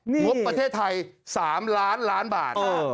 งบประเทศไทย๓ล้านล้านบาท